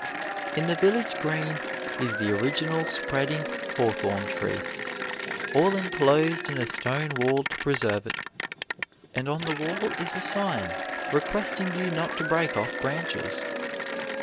In the village green is the original spreading hawthorn tree, all enclosed in a stone wall to preserve it. And on the wall is a sign requesting you not to break off branches.